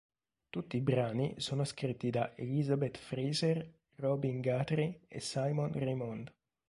Tutti i brani sono scritti da Elizabeth Fraser, Robin Guthrie e Simon Raymonde.